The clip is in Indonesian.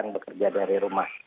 bekerja dari rumah